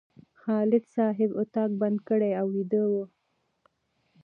خالد صاحب اتاق بند کړی او ویده و.